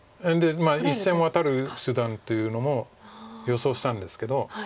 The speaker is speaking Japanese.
１線ワタる手段というのも予想したんですけど。